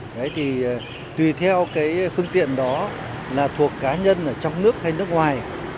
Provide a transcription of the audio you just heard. đấy thì tùy theo cái phương tiện đó là thuộc cá nhân ở trong nước hay nước ngoài